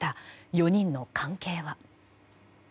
４人の関係は？